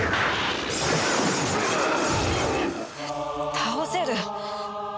倒せる！